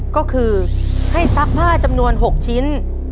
ก็คือให้ซักผ้าจำนวน๖ชิ้น